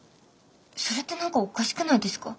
それって何かおかしくないですか？